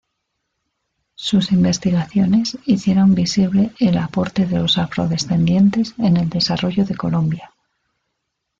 Sus investigaciones hicieron visible el aporte de los Afrodescendientes en el desarrollo de Colombia.